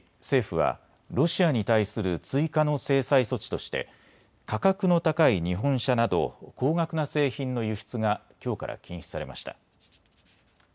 政府はロシアに対する追加の制裁措置として価格の高い日本車など高額な製品の輸出がきょうから禁止されました。